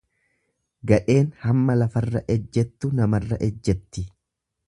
Gadheen hamma lafarra ejjettu namarra ejjetti.